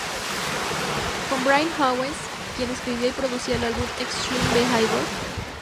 Con Brian Howes quien escribía y producía el álbum "Extreme Behavior.